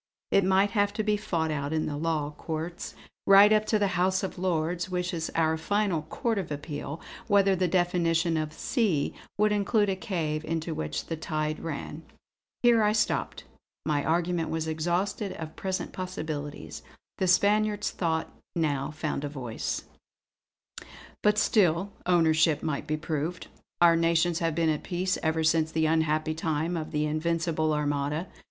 It might have to be fought out in the Law Courts, right up to the House of Lords which is our final Court of Appeal, whether the definition of 'sea' would include a cave into which the tide ran." Here I stopped; my argument was exhausted of present possibilities. The Spaniard's thought now found a voice: "But still ownership might be proved. Our nations have been at peace ever since that unhappy time of the Invincible Armada.